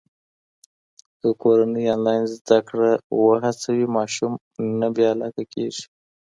که کورنۍ انلاین زده کړه وهڅوي، ماشوم نه بې علاقې کېږي.